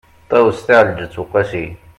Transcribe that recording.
ṭawes taεelǧeţ uqasi